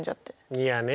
いやね